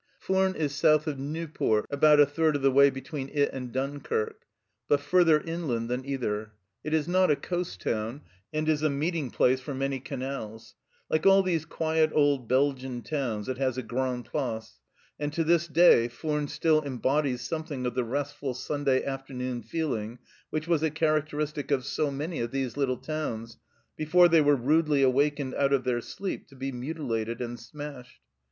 Furnes is south of Nieuport, about a third of the way between it and Dunkirk, but further inland than either. It is not a coast town, and is a meeting place for many canals. Like all these quiet old Belgian towns, it has a Grand Place, and to this day Furnes still embodies something of the restful Sunday afternoon feeling which was a characteristic of so many of these little towns before they were rudely awakened out of their sleep to be mutilated and smashed.